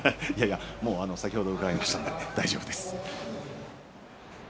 先ほど伺いましたので大丈夫です。